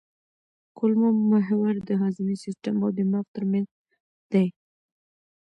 کولمو محور د هاضمي سیستم او دماغ ترمنځ دی.